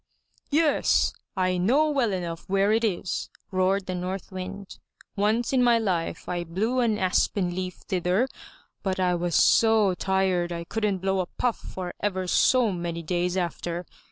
"Yes! I know well enough where it is!" roared the North Wind. "Once in my life I blew an aspen leaf thither, but I was so tired I couldn't blow a puff for ever so many days after.